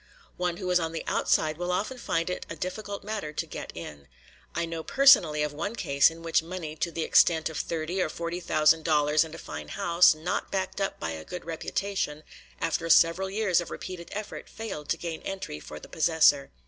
One who is on the outside will often find it a difficult matter to get in. I know personally of one case in which money to the extent of thirty or forty thousand dollars and a fine house, not backed up by a good reputation, after several years of repeated effort, failed to gain entry for the possessor.